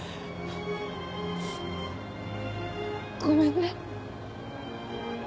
ごめんね。